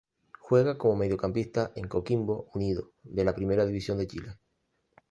Juega de mediocampista en Coquimbo Unido de la Primera División de Chile.